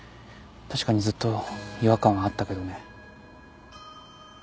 確かにずっと違和感はあったけどね。